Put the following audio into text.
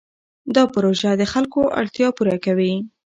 دا پروژه د خلکو اړتیا پوره کوي.